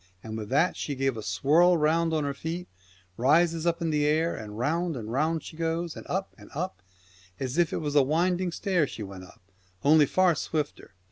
And with that she gave a swirl round on her feet, and raises up in the air, and round and round she goes, and up and up, as if it was a winding stairs she went up, only far swifter.